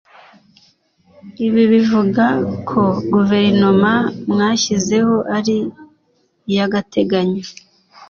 Ibi bivuga ko guverinoma mwashyizeho ari iy’agateganyo